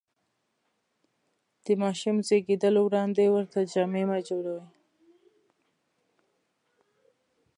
د ماشوم زېږېدلو وړاندې ورته جامې مه جوړوئ.